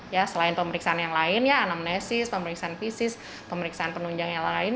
ya selain pemeriksaan yang lain ya anamnesis pemeriksaan fisik pemeriksaan penunjang yang lain